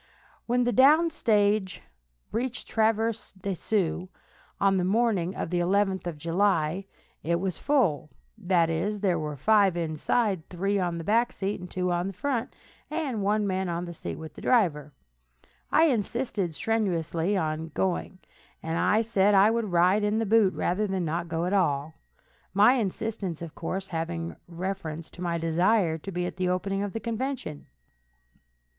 When the down stage reached Traverse des Sioux, on the morning of the 11th of July, it was full; that is, there were five inside, three on the back seat, and two on the front, and one man on the seat with the driver. I insisted strenuously on going, and said I would ride in the boot rather than not go at all, my insistence, of course, having reference to my desire to be at the opening of the convention.